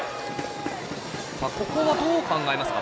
ここはどう考えますか？